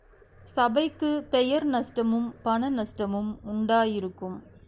சபைக்குப் பெயர் நஷ்டமும் பண நஷ்டமும் உண்டாயிருக்கும்.